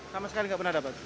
sama sekali nggak pernah dapat